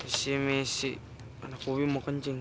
di sini sih anak gue mau kebet kencing